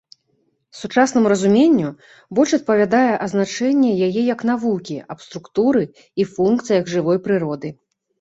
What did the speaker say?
Сучаснаму разуменню больш адпавядае азначэнне яе як навукі аб структуры і функцыях жывой прыроды.